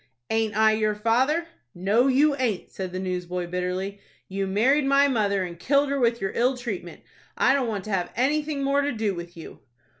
"Aint I your father?" "No, you aint," said the newsboy, bitterly. "You married my mother, and killed her with your ill treatment. I don't want to have anything more to do with you."